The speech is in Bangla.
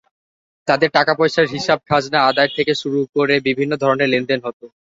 তাঁদের টাকাপয়সার হিসাব, খাজনা আদায় থেকে শুরু করে বিভিন্ন ধরনের লেনদেন হতো।